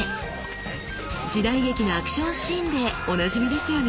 時代劇のアクションシーンでおなじみですよね。